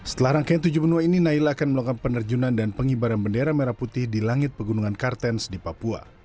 setelah rangkaian tujuh benua ini naila akan melakukan penerjunan dan pengibaran bendera merah putih di langit pegunungan kartens di papua